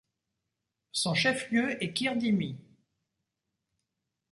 Son chef-lieu est Kirdimi.